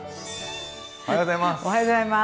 おはようございます。